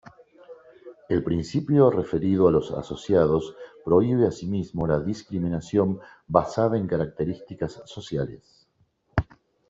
El principio referido a los asociados prohíbe asimismo la discriminación basada en características "sociales".